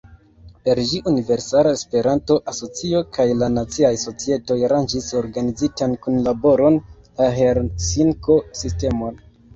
Per ĝi, Universala Esperanto-Asocio kaj la naciaj societoj aranĝis organizitan kunlaboron, la Helsinko-sistemon.